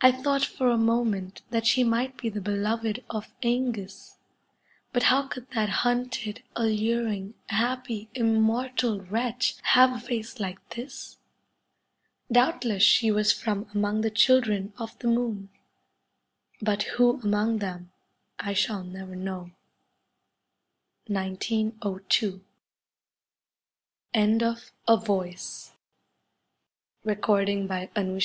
I thought for a moment that she might be the beloved of ^ngus, but how could that hunted, alluring, happy, immortal wretch have a face like this ? Doubtless she was from among the children of the Moon, but who among them I shall never know. 1902. 116 KIDNAPPERS Kidnappers.